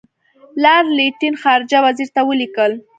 لارډ لیټن خارجه وزیر ته ولیکل.